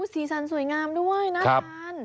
สีสันสวยงามด้วย